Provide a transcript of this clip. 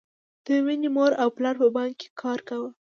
د مینې مور او پلار په بانک کې کار کاوه